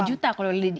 tiga lima juta penumpang